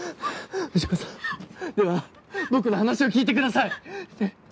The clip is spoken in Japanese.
藤子さんでは僕の話を聞いてください。ねぇ？